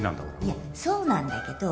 いやそうなんだけど。